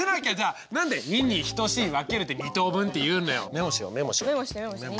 メモしてメモして。